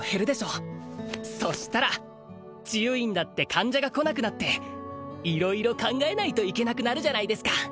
うそしたら治癒院だって患者が来なくなって色々考えないといけなくなるじゃないですか